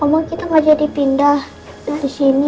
momo kita maja dipindah hal sini